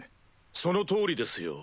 その通りですよ。